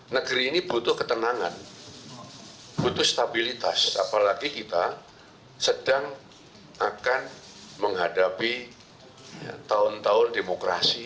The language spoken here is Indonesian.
negeri ini butuh ketenangan butuh stabilitas apalagi kita sedang akan menghadapi tahun tahun demokrasi